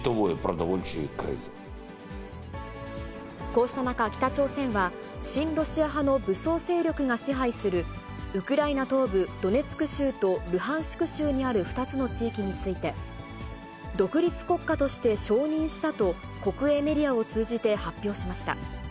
こうした中、北朝鮮は、親ロシア派の武装勢力が支配するウクライナ東部ドネツク州とルハンシク州にある２つの地域について、独立国家として承認したと、国営メディアを通じて発表しました。